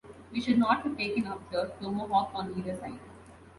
We should not have taken up the tomahawk on either side.